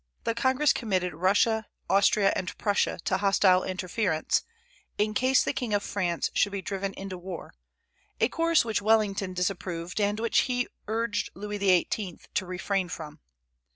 The Congress committed Russia, Austria, and Prussia to hostile interference, in case the king of France should be driven into war, a course which Wellington disapproved, and which he urged Louis XVIII. to refrain from.